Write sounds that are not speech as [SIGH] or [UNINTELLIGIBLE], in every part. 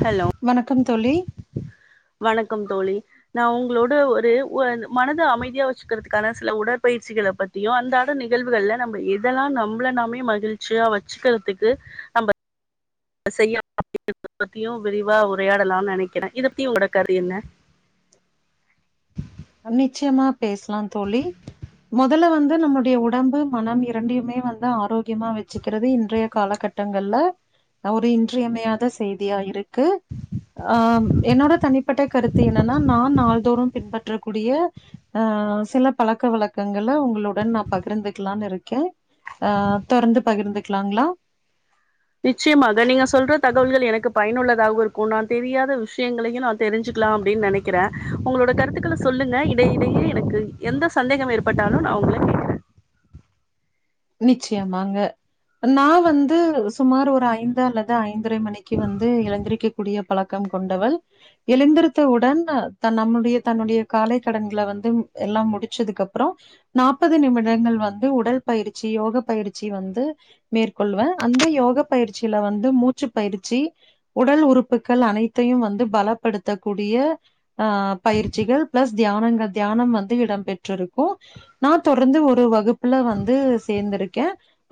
Hello வணக்கம் தோழி வணக்கம் தோழி நா உங்களோட ஒரு ஓ மனத அமைதியா வெச் வெச்சிக்கறதுக்கான சில உடற்பயிற்சிகள பத்தியு அந்தாத நிகழ்வுகள்ல நம்ப எதெல்லா நம்மள நாமே மகிழ் ச்சியா வச்சிக்கறத்துக்கு நம்ப செய்ய [INAUDIBLE] பத்தியு விரிவா உரையாடலான்னு நெனைக்கற [INAUDIBLE] உங்களோட கருத்து என்ன அ நிச்சியமா பேசலா தோழி மொதல்ல வந்து நம்முடைய உடம்பு மனம் இரண்டையுமே வந்து ஆரோக்கியமா வெச்சிக்கறது இன்றைய காலகட் டங்கள்ல ஒரு இன்றியமையாத செய்தியா இரு க்கு அ என்னோட தனிப்பட்ட கருத்து என்னன்னா நா நாள்தோறு பின்பற் றக்கூடிய அ சில பழக்க வழக்கங்கள உங்களுடன் நா பகிர்ந்துக்கலான்னு இருக்க அ தொடர்ந்து பகிர்ந்துக்கலாங்களா நிச்சயமாக நீங்க சொல்ற தகவல்கள் எனக்கு பயனுள்ளதாகவு இருக்கு நா தெரியாத விஷயங்களையு நா தெரிஞ்சிக்கலா அப்டின்னு நெனைக்கற உங்களோட கருத்துக்கள சொல்லுங்க இட இடையே எனக்கு எந்த சந்தேகம் ஏற்பட்டாலு நா உங்கள கேக்குறே நிச்சியமாங்க நா வந்து சும்மார் ஒரு ஐந்து அல்லது ஐ ந்தரை மணிக்கு வந்து எழுந்திரிக்க கூடிய பழக்கம் கொண்டவள் எழுந்திரத்தவுடன் தன் நம்முடைய தன்னுடைய காலை கடன்கள வந்து எல்லா முடிச்சதுக்கப்பறோ நாப்பது நிமிடங்கள் வந்து உடல் பயிற்சி யோக பயிற்சி வந்து மேற்கொள்ளுவ அந்த யோக பயிற்சியில வந்து மூச்சு பயிற்சி உடல் உறுப்புக்கள் அனைத்தையு வந்து பலப்படுத்தக் கூடிய ஆ பயிற்சிகள் பிளஸ் தியானங்க தியானம் வந்து இடம்பெற்றிருக்கு நா தொடர்ந்து ஒரு வகுப்புல வந்து சேந்துருக்க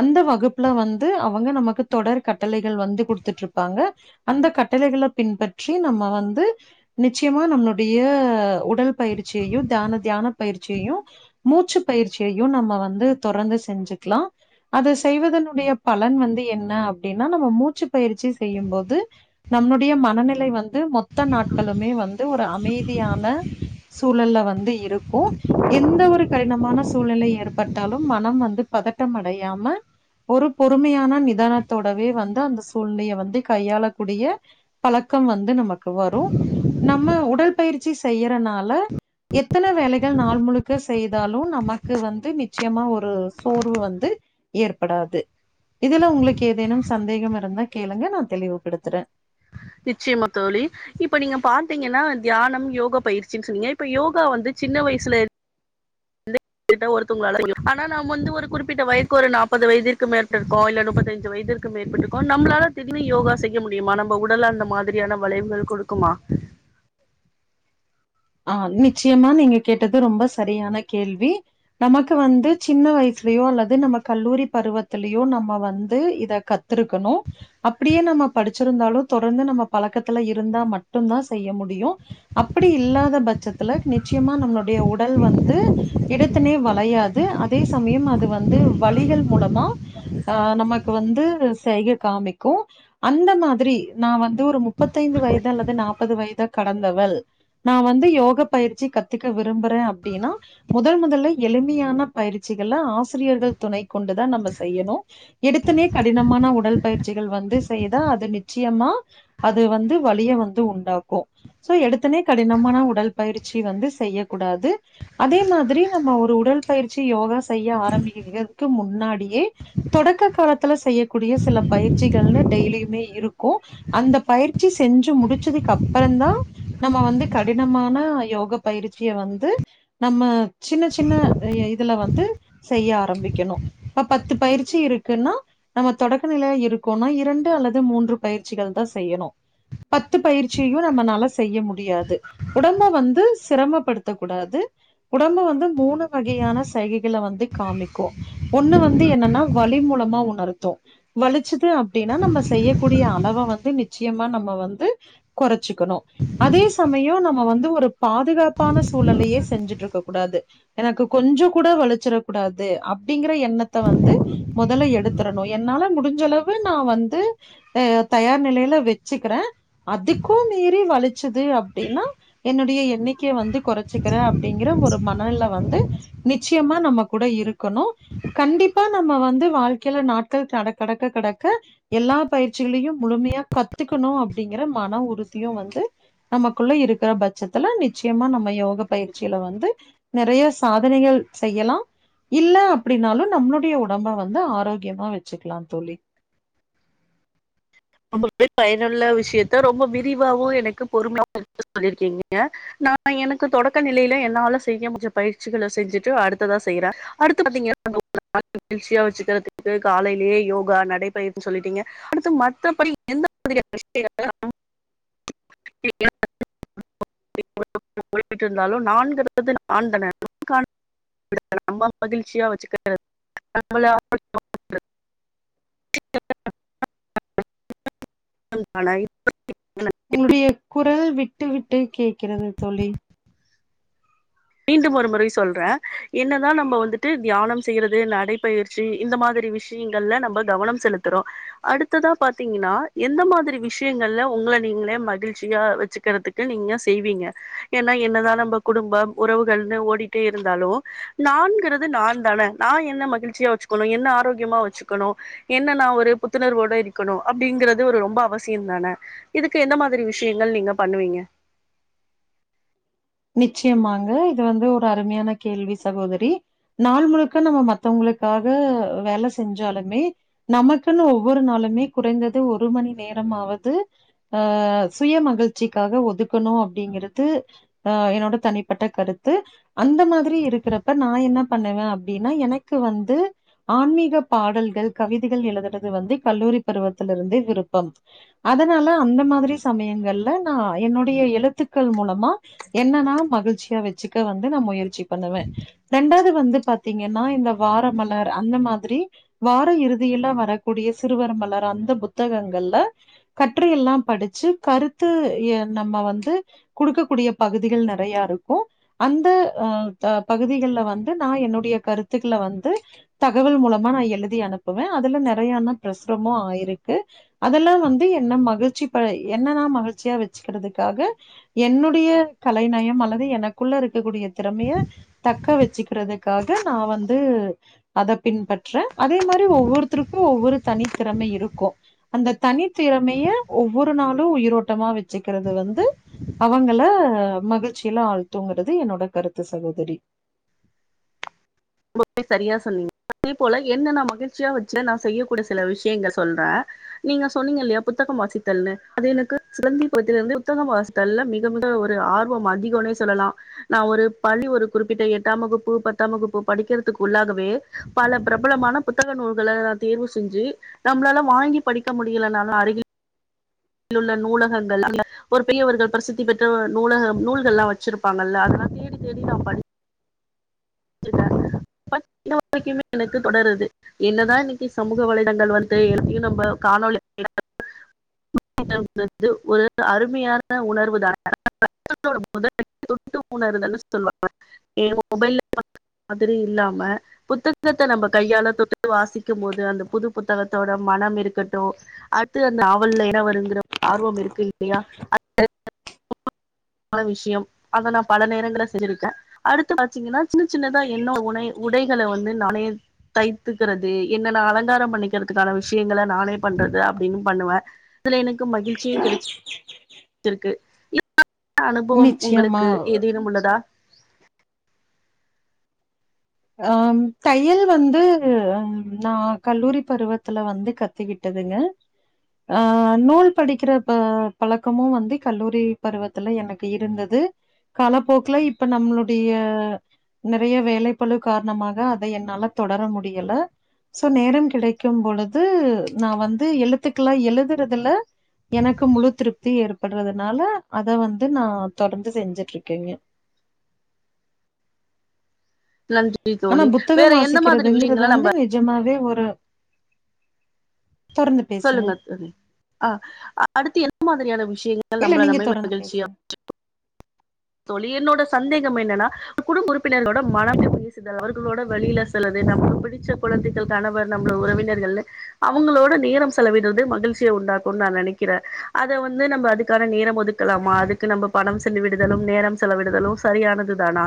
அந்த வகுப்புல வந்து அவங்க நமக்கு தொடர் கட்டளைகள் வந்து குடுத்துட்ருப்பாங்க அந்த கட்டளைகள பின்பற்றி நம்ம வந்து நிச்சியமா நம்மளுடைய உடல் பயிற்சியயு தியான தியான பயிற்சியயு மூச்சு பயிற்சியயு நம்ம வந்து தொடர்ந்து செஞ்சுக்கலா அது செய்வதனுடைய பலன் வந்து என்ன அப்டின்னா நம்ம மூச்சு பயிற்சி செய்யும்போது நம்முடைய மனநிலை வந்து மொத்த நாட்களுமே வந்து ஒரு அமைதியான சூழல்ல வந்து இருக்கு எந்த ஒரு கடினமான சூழ்நிலை ஏற்பட்டாலு மனம் வந்து பதட்டம் அடையாம ஒரு பொறுமையான நிதானத்தோடவே வந்து அந்த சூழ்நிலைய வந்து கையாளக் கூடிய பழக்கம் வந்து நமக்கு வரு நம்ம உடல் பயிற்சி செய்யறனால எத்தன வேலைகள் நாள் முழுக்க செய்தாலு நமக்கு வந்து நிச்சயமா ஒரு சோர்வு வந்து ஏற்படாது இதுல உங்களுக்கு ஏதேனும் சந்தேகம் இருந்தா கேளுங்க நா தெளிவுபடுத்துற நிச்சியமா தோழி இப்ப நீங்க பாத்திங்கன்னா தியானம் யோக பயிற்சினு சொன்னிங்க இப்ப யோகா வந்து சின்ன வயசுல ஒருத்தவங்கள [INAUDIBLE] அனா நாம் வந்து ஒரு குறிப்பிட்ட வய்க்கு ஒரு நாப்பது வயதிற்கு [UNINTELLIGIBLE] இருக்கோ இல்ல முப்பத்தஞ்சு வயதிற் க்கு மேற்பட்ருக்கோ நம்பளால திடினு யோகா செய்ய முடியுமா நம்ம உடல் அந்த மாதிரியான வளைவுகள் கொடுக்குமா ஆ நிச்சியமா நீங்க கேட்டது ரொம்ப சரியான கேள்வி நமக்கு வந்து சின்ன வயசுலயோ அல்லது நம்ம கல்லூரி பருவத்துலயோ நம்ம வந்து இத கத் துருக்கணு அப்படியே நம்ம படிச்சிருந்தாலு தொடர்ந்து நம்ம பழக்கத்துல இருந்தா மட்டுந்தா செய்ய முடியு அப்படி இல்லா த பட்சத்துல நிச்சியமா நம்மளுடைய உடல் வந்து இடத்துனே வளையாது அதே சமயம் அது வந்து வலிகள் மூலமா ஆ நமக்கு வந்து செய்க காமிக்கு அந்த மாதிரி நா வந்து ஒரு முப்பத்தைய்ந்து வயது அல்லது நாப்பது வயத கடந்தவள் நா வந்து யோக பயிற்சி கத்துக்க விரும்புற அப்டினா முதல் முதல்ல எளிமையான பயிற்சிகள ஆசிரியர்கள் துணை கொண்டுதா நம்ம செய்யணு எடுதுனே கடினமான உடல் பயிற்சிகள் வந்து செய்தா அது நிச்சியமா அது வந்து வலிய வந்து உண்டாக்கோ சோ எடுத்தனே கடினமான உ டல் பயிற்சி வந்து செய்யக்கூடாது அதே மாதிரி நம்ம ஒரு உடல் பயிற்சி யோகா செய்ய ஆரம்பிக்கிறதுக்கு முன்னாடியே தொடக்க காலத்துல செய்யக்கூடிய சில பயிற்சிகள்னு டெய்லியுமே இருக்கு அந்த பயிற்சி செஞ்சு முடிச்சதுக்கு அப்றோதா நம்ம வந்து கடி னமான யோக பயிற்சிய வந்து நம்ம சின்ன சின்ன இதுல வந்து செய்ய ஆரம்பிக்கணு பத்து பயிற்சி இருக்குன்னா நம்ம தொடக்க நிலை இருக்கோனா இரெண்டு அல்லது மூன்று பயிற்சிகள்தா செய்யணு பத்து பயிற்சியையு நம்மனால செய்ய முடியாது உடம்ப வந்து சிரமப்படுத்தக் கூடாது உடம்பு வந்து மூணு வகையான சைகைகள வந்து காமிக்கு ஒன்னு வந்து என்னனா வழி மூலமா உணர்த்து வலிச்சுது அப்டினா நம்ம செய்யக்கூடிய அளவ வந்து நிச்சயமா நம்ம வந்து கொறச்சுக்கணு அதே சமயோ நம்ம வந்து ஒரு பாதுகாப்பான சூழலயே செஞ்சுட்ருக்க கூடாது எனக்கு கொஞ்சோ கூட வலிச்சிற கூடாது அப்டிங்கற எண்ணத்த வந்து மொதல்ல எடுத்துரணு என்னால முடிஞ்சளவு நா வந்து அ தயார் நிலைல வெச்சுக்குறே அதுக்கு மீறி வலிச்சுது அப்டினா என்னுடைய எண்ணிக்கைய வந்து கொறச்சுக்குற அப்டிங்கற ஒரு மனநில வந்து நிச்சியமா நம்ம கூட இருக்கணு கண்டிப்பா நம்ம வந்து வால்க்கைல நாட்கள் கட கடக்க கடக்க எல்லா பயிற்சிகளையு முழுமையா கத்துக்கணு அப்டிங்கற மன உறுத்தியு வந்து நமக்குள்ள இருக்கிற பட்சத்துல நிச்சியமா நம்ம யோக பயிற்சில வந்து நிறைய சாதனைகள் செய்யலா இல்ல அப்டினாலு நம்ளுடைய உடம்ப வந்து ஆரோக்கியமா வெச்சுக்கலா தோழி ரொம்பவே பயனுள்ள விஷயத்த ரொம்ப விரிவாவு எனக்கு பொறுமையவு எடுத்து சொல்லிருக்கீங்க நா எனக்கு தொடக்க நிலைல என்னால செய்ய முடிஞ்ச பயிற்சிகள செஞ்சுட்டு அடுத்ததா செய்றே அடுத்து பாத்தீங்கனா நாங்க உங்கள [UNINTELLIGIBLE] மகிழ்ச்சியா வெச்சுக்கிறதுக்கு காலைலயே யோகா நடைபயிற்னு சொல்லிட்டீங்க அடுத்து மா இப்படி எந்த மாதிரியான விஷயங்க [UNINTELLIGIBLE] [UNINTELLIGIBLE] போய்டு இருந்தாலு நான் [UNINTELLIGIBLE] நம்ப மகிழ்ச்சியா வெச்சுக்க [UNINTELLIGIBLE] ஆனா உங்களுடைய குரல் விட்டு விட்டு கேக்கிறது தோழி மீண்டும் ஒரு முறை சொல்றே என்னதா நம்ம வந்துட்டு தியானம் செய்யறது நடைபயிற் சி இந்த மாதிரி விஷயங்கள்ல நம்ம கவனம் செலுத்துறோ அடுத்ததா பாத்தீங்கன்னா எந்த மாதிரி விஷயங்கள்ல உங்கள நீங்ளே மகிழ்ச்சியா வெச்சுக்குறதுக் நீங்க செய்வீங்க எனா என்னதா நம்ப குடும்பம் உறவுகள்னு ஓடிட்டே இருந்தாலு நான்கிறது நாதான நா என்ன மகிழ்ச்சியா வெச்சு குணு என்ன ஆரோக்கியமா வெச்சுக்குணு என்ன நா ஒரு புத்துணர்வோட இருக்கணு அப்டிங்கிறது ஒரு ரொம்ப அவசியம்தான இதுக்கு எந்த மாதிரி விஷயங்கள் நீங்க பண்ணுவீங்க நிச்சயமாங்க இது வந்து ஒரு அருமையான கேள்வி சகோதரி நாள் முழுக்க நம்ம மத்தவங்களுக்காக வேல செஞ்சாலுமே நமக்குன்னு ஒவ்வொரு நாளுமே குறைந்தது ஒரு மணி நேரமாவது அ சுய மகிழ்ச்சிக்காக ஒதுக்கணு அப்டிங்கிறது ஆ என்னோட தனிப்பட்ட கருத்து அந்த மாதிரி இருக்கிறப்ப நா என்ன பண்ணுவ அப்டின்னா எனக்கு வந்து ஆன்மீக பாடல்கள் கவிதைகள் எழுதுறது வந்து கல்லூரி பருவத்திலிருந்து விருப்பம் அதனால அந்த மாதிரி சமயங்கள்ல நா என்னுடைய எழுத்துக்கள் மூலமா என்ன நா மகிழ்ச்சியா வச்சிக்க வந்து நா முயற்சி பண்ணுவ ரெண்டாவது வந்து பாத்தீங்கன்னா இந்த வாரமலர் அந்த மாதிரி வார இறுதியெல்லா வரக்கூடிய சிறுவர் மலர் அந்த புத்தகங்கள்ல கற்றையெல்லாம் படிச்சு கருத்து நம்ம வந்து குடுக்கக்கூடிய பகுதிகள் நெறையா இருக்கு அந்த அ அ பகுதிகள்ல வந்து நா என்னுடைய கருத்துக்கள வந்து தகவல் மூலமா நா எழுதி அனுப்புவ அதுல நிறையன்ன பிரசுரமு ஆயிருக்கு அதெல்லா வந்து என்ன மகிழ்ச்சி ப என்னன்னா மகிழ்ச்சியா வச்சுக்கறிறதுக்காக என்னுடைய கலைநயம் அல்லது எனக்குள்ள இருக்கக்கூடிய திறமைய தக்க வச்சுக்கிறது க்காக நா வந்து அத பின்பற்ற அதே மாரி ஒவ்வொருத்தருக்கு ஒவ்வொரு தனி திறமை இருக்கு அந்த தனி திறமைய ஒவ்வொரு நாளு உயிரோட்டமா வச்சுக்கிறது வந்து அவங்கள மகிழ்ச்சில ஆழ்த்துங்கறிறது என்னோட கருத்து சகோதரி ரொம்பவே சரியா சொன்னீங்க அதே போல என்ன நா மகிழ்ச்சியா வச்சு நா செய்யக்கூடிய சில விஷயங்கள் சொல்ற நீங்க சொன்னீங்க இல்லையா புத்தகம் வாசித்தல்னு அது எனக்கு குழந்தை பருவத்தில் இருந்து புத்தகம் வாசி த்தல்ல மிக மிக ஒரு ஆர்வம் அதிகோனே சொல்லலா நா ஒரு பள்ளி ஒரு குறிப்பிட்ட எட்டாம் வகுப்பு பத்தாம் வகுப்பு படிக்கிறதுக்கு உள்ளாகவே பல பிரபலமான புத்தக நூல்கள நா தேர்வு செஞ்சு நம்ளால வாங்கி படிக்க முடியலனாலு அருகில் உள்ள நூலகங்கள் [UNINTELLIGIBLE] ஒரு பெரியவர்கள் பிரசித்தி பெற்ற நூலக நூல்கல்லா வச்சிருப்பாங்கல்ல அதெல்லா தேடி தேடி நா படி சிட்ட பட் இன்னு வரைக்குமே எனக்கு தொடருது என்னதா இன்னைக்கு சமூக வலைதங்கள் வந்து எத்தையு நம்ம காணொலி [UNINTELLIGIBLE] [UNINTELLIGIBLE] ந்து ஒரு அருமையான உணர்வு தா [UNINTELLIGIBLE] போது தொட்டு புணர்தல்ன்னு சொல்லுவாங்க எ மொபைல் மாதிரி இல்லாம புத்தத்தத்த நம்ம கையால தொட்டுட்டு வாசிக்கும் போது அந்த புது புத்தகத்தோட மனம் இருக்கட்டும் அது அந்த நாவல்ல என்ன வருங்கிற ஆர்வம் இருக்கு இல்லையா பல விஷயம் அத நா பல நேரங்கள செஞ்சிருக்க அடுத்து பா்த்தீங்கன்னா சின்ன சின்னதா என்ன உடை உடைகளை வந்து நானே தைத்துக்கிறது என்ன நா அலங்காரோ பண்ணிக்கிறதுக்கான விஷயங்க நானே பண்றது அப்டின்னு பண்ணுவ இதுல எனக்கு மகிழ்சியு கிடைச் இருக்கு [UNINTELLIGIBLE] அனுபவம் நிச்சயமா. உங்களுக்கு ஏதேனும் உள்ளதா அம் தையல் வந்து நா கல்லூரி பருவத்துல வந்து கத் கத்துக்கிட்டதுங்க அ நூல் படிக்கிற ப பழக்கமு வந்து கல்லூரி பருவத்துல எனக்கு இருந்தது காலப்போக்குல இப்ப நம்மளுடைய நறைய வேலை பல காரணமாக அத என்னால தொடர முடியல சோ நேரம் கெடைக்கும் பொழுது நா வந்து எழுத்துக்கலா எழுதுறதுல எனக்கு முழு திருப்தி ஏற்படுறதுனால அத வந்து நா தொடர்ந்து செஞ்சுட்டு இருக்கேங்க நன் ஆனா புத்தகம் வாசிக்கிறதுங்குறது வந்து நம்ம நிஜமாவே ஒரு தொறந்து பேசுங்க. சொல்லுங்க தோழி அ அடுத்து என்ன மாதிரியான விஷயங்கள் இல்ல நம்மள நீங்க நம தொடர்ந்து பேசுங்க. மகிழ்ச்சியா தோழி என்னோட சந்தேகம் என்னன்னா குடும்ப உறுப்பினர்களோட மனமே பேசுதல் அவர்களோட வழியில செலது நமக்கு பிடிச்ச கொழந்தை காணவர் நம்மள உறவினர்கள் அவங்களோட நேரம் செலவிடுறது மகிழ்ச்சிய உண்டாக்குனு நா நெனைக்கிறே அத வந்து நம்ம அதுக்கான நேரம் ஒதுக் கலாமா அதுக்கு நம்ம பணம் செலவிடுதலும் நேரம் செலவிடுதலும் சரியானது தானா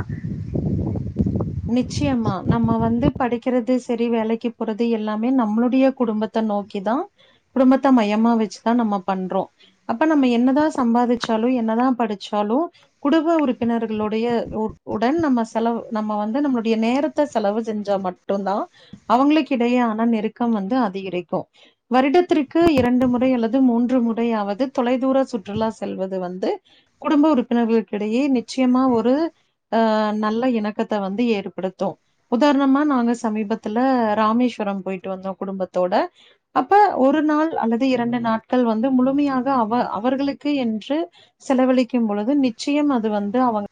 நிச்சியமா நம்ம வந்து படிக்கிறது சரி வேலைக்கு போறது எல்லாமே நம்மளுடைய குடும்பத் த நோக்கிதா குடும்பத்த மையமா வச்சுதா நம்ம பண்றோ அப்ப நம்ம என்னதா சம்பாதிச்சாலு என்னதா படிச்சாலு குடும்ப உறுப்பினர்களுடைய உ உடன் நம்ம செலவு நம்ம வந் து நம்மளுடைய நேரத்த செலவு செஞ்சா மட்டுதா அவங்களுக்கு இடையேயான நெருக்க வந்து அதிகரிக்கு வருடத்திற்கு இரண்டு முறை அல்லது மூன்று முறையாவது தொலைதூர சுற்றுலா செல்வது வந்து குடும்ப உறுப்பினர்களுக்கிடையே நிச்சயமா ஒரு அ நல்ல இணக்கத் த வந்து ஏற்படுத்து உதாரணமா நாங்க சமீபத்துல ராமேஸ்வர போயிட்டு வந்தோ குடும்பத்தோட அப்ப ஒரு நாள் அல்லது இரண்டு நாட்கள் வந்து முழுமையாக அவ அவர்களுக்கே என்று செலவழிக்கும் பொழுது நிச்சயம் அது வந்து அவங்